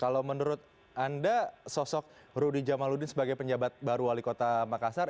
kalau menurut anda sosok rudy jamaludin sebagai penjabat baru wali kota makassar